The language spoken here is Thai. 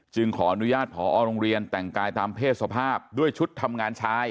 ขออนุญาตผอโรงเรียนแต่งกายตามเพศสภาพด้วยชุดทำงานชาย